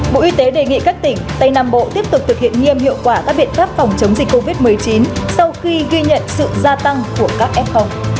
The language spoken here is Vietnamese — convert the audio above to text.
bộ y tế đề nghị các tỉnh tây nam bộ tiếp tục thực hiện nghiêm hiệu quả các biện pháp phòng chống dịch covid một mươi chín sau khi ghi nhận sự gia tăng của các f